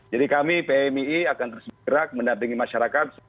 jadi kami pmi akan terus bergerak mendampingi masyarakat